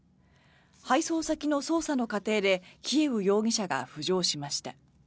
配送先の捜査の過程でキエウ容疑者が浮上しました。